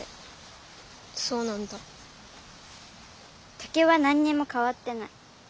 竹は何にもかわってない。